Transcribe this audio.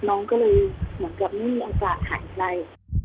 น้องก็เลยเหมือนกับไม่มีโอกาสหายใจ